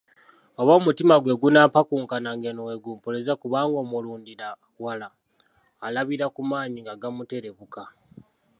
Oba omutima gwe gunampakukanga ng'eno bwe gumpoleza kubanga omulundirawala alabira ku maanyi nga gamuterebuka!